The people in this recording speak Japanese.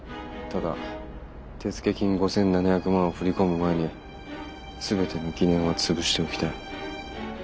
ただ手付金５，７００万を振り込む前に全ての疑念は潰しておきたい。